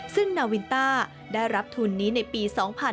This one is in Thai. ซึ่งนาวินต้าได้รับทุนนี้ในปี๒๕๕๙